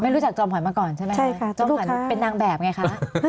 รู้จักจอมขวัญมาก่อนใช่ไหมคะจอมขวัญเป็นนางแบบไงคะ